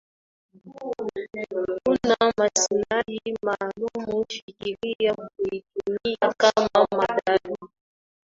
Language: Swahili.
una maslahi maalum fikiria kuitumia kama mandhari